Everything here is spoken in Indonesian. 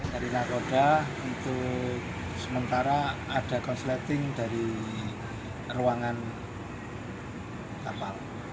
dari nakoda untuk sementara ada konsleting dari ruangan kapal